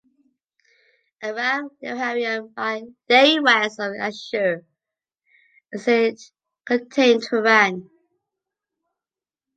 Aram Naharaim lay west of "Ashur", as it contained Haran.